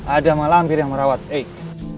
ada malah hampir yang merawat eik